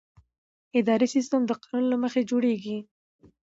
اداري سیستم د قانون له مخې جوړېږي.